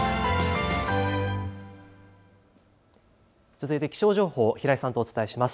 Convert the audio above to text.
続いて気象情報、平井さんとお伝えします。